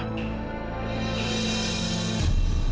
kamila kamu harus berhenti